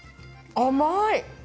甘い！